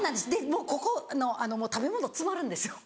もうここ食べ物詰まるんですよ。